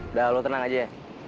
udah lu tenang aja